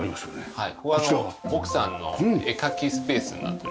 はい。